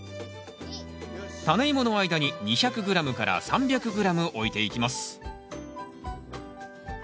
タネイモの間に２００ｇ３００ｇ置いていきます。